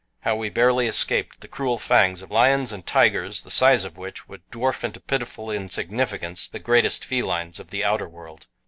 How we barely escaped the cruel fangs of lions and tigers the size of which would dwarf into pitiful insignificance the greatest felines of the outer world.